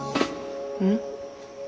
うん？